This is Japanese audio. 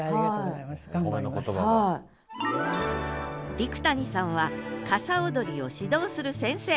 陸谷さんは傘踊りを指導する先生。